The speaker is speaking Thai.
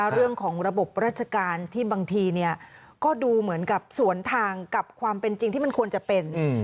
เรื่องของระบบราชการที่บางทีก็ดูเหมือนกับสวนทางกับความเป็นจริงที่มันควรจะเป็น